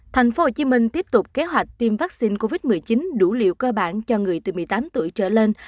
tp hcm tiếp tục kế hoạch tiêm vaccine covid một mươi chín đủ liều cơ bản cho người từ một mươi tám tuổi trở lên